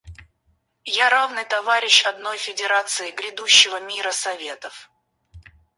Я — равный товарищ одной Федерации грядущего мира Советов.